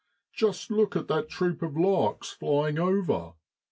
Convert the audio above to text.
Just look at that troop of larks flying over!